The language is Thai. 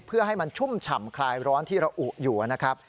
เพื่อให้มันชุ่มฉ่ำคลายร้อนที่ระอุอยู่นะครับ